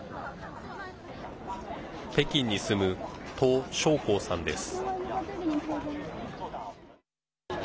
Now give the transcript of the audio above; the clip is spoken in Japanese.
北京に住むトウ小虹さんです。